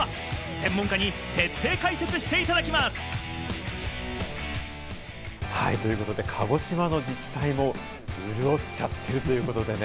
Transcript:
専門家に徹底解説していただきます！ということで、鹿児島の自治体も潤っちゃってるということでね。